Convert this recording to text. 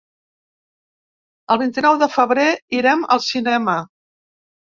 El vint-i-nou de febrer irem al cinema.